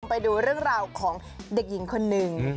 ไปดูเรื่องราวของเด็กหญิงคนหนึ่ง